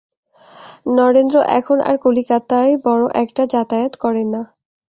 নরেন্দ্র এখন আর কলিকাতায় বড়ো একটা যাতায়াত করে না।